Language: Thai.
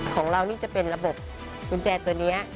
ของเรานี่จะเป็นระบบกุญแจตัวนี้